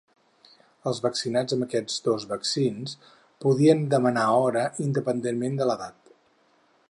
Els vaccinats amb aquests dos vaccins podien demanar hora independentment de l’edat.